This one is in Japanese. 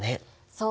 そう！